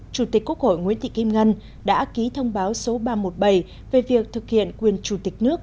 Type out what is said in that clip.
chủ tịch quốc hội nguyễn thị kim ngân đã ký thông báo số ba trăm một mươi bảy về việc thực hiện quyền chủ tịch nước